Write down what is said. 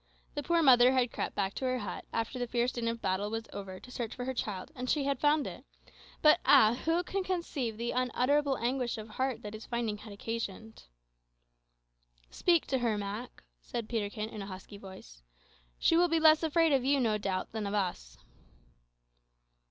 The poor mother had crept back to her hut after the fierce din of battle was over to search for her child, and she had found it; but ah, who can conceive the unutterable anguish of heart that its finding had occasioned! "Speak to her, Mak," said Peterkin, in a husky voice; "she will be less afraid of you, no doubt, than of us."